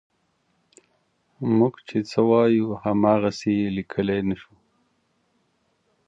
موږ چې څه وایو هماغسې یې لیکلی نه شو.